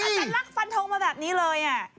อาจารย์รักฝันธงมาแบบนี้เลยอ่ะ